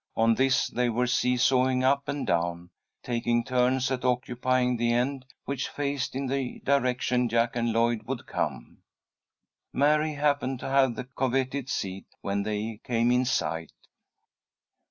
On this they were seesawing up and down, taking turns at occupying the end which faced in the direction Jack and Lloyd would come. Mary happened to have the coveted seat when they came in sight.